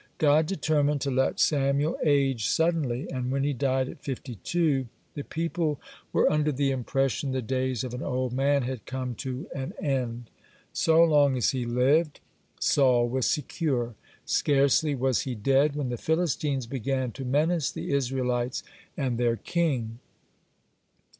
God determined to let Samuel age suddenly, and when he died at fifty two, (69) the people were under the impression the days of an old man had come to an end. So long as he lived, Saul was secure. (70) Scarcely was he dead, when the Philistines began to menace the Israelites and their king.